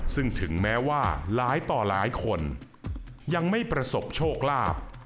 ซึ่งถึงแม้ว่าหลายต่อหลายคนยังไม่ประสบโชคลาภ